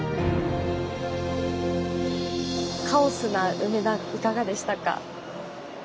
カオスな梅田いかがでしたか？